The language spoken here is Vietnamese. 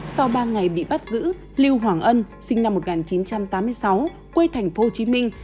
sau ba ngày bị bắt giữ lưu hoàng ân sinh năm một nghìn chín trăm tám mươi sáu quê thành phố hồ chí minh